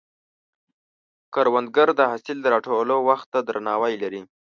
کروندګر د حاصل د راټولولو وخت ته درناوی لري